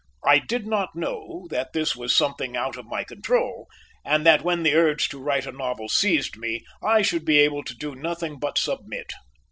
I did not know that this was something out of my control and that when the urge to write a novel seized me, I should be able to do nothing but submit.